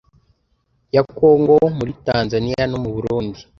ya Kongo muri Tanzaniya no mu Burundi